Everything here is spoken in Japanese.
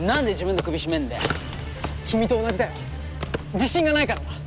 自信がないからだ。